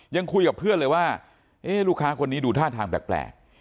ยังคุยกับเพื่อนเลยว่าลูกค้าคนนี้ดูท่าทางแปลก